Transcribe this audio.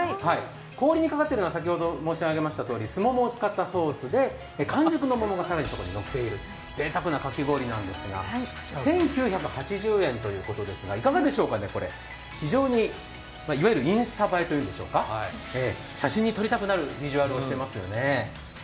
氷にかかっているのはすももを使ったソースで完熟の桃が皿にのっている、ぜいたくなかき氷なんですが１９８０円ということですがいかがでしょうかね、これ、非常にインスタ映えと言うんでしょうか、写真に撮りたくなるビジュアルをしていますよね。